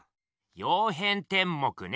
「曜変天目」ね！